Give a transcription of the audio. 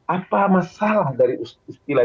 apa masalah dari istilah